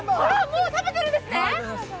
もう食べてるんですね？